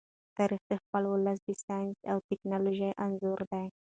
تاریخ د خپل ولس د ساینس او ټیکنالوژۍ انځور دی.